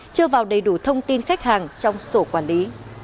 chưa vào đầy đủ thông tin khách hàng trong sổ quản lý